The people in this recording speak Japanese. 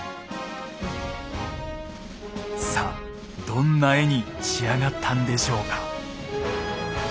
さあどんな絵に仕上がったんでしょうか。